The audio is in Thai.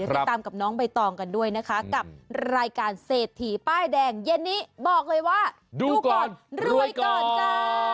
ติดตามกับน้องใบตองกันด้วยนะคะกับรายการเศรษฐีป้ายแดงเย็นนี้บอกเลยว่าดูก่อนรวยก่อนจ้า